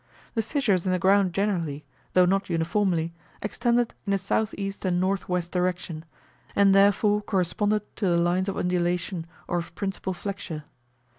The fissures in the ground generally, though not uniformly, extended in a S.E. and N.W. direction, and therefore corresponded to the lines of undulation or of principal flexure.